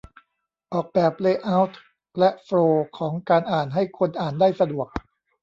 ออกแบบเลย์เอาต์และโฟลว์ของการอ่าน ให้คนอ่านได้สะดวก